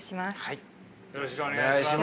よろしくお願いします。